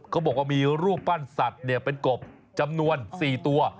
เขาบอกว่ามีรูปปั้นสัตว์เป็นกบจำนวน๔ตัว